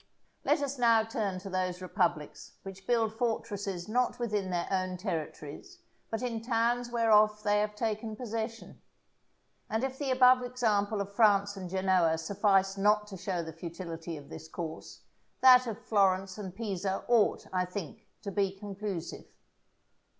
Let us turn now to those republics which build fortresses not within their own territories, but in towns whereof they have taken possession. And if the above example of France and Genoa suffice not to show the futility of this course, that of Florence and Pisa ought, I think, to be conclusive.